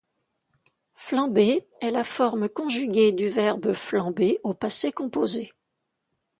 "Flambé" est la forme conjuguée du verbe "flamber" au passé composé.